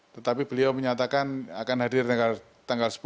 tetapi beliau menyatakan akan hadir tanggal sepuluh